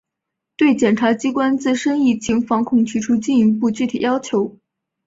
对检察机关自身疫情防控提出进一步具体要求